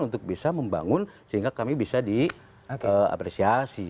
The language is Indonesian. untuk bisa membangun sehingga kami bisa diapresiasi